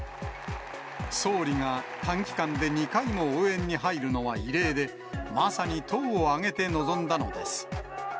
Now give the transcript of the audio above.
総理が短期間で２回も応援に入るのは異例で、まさに党を挙げて臨んだのです。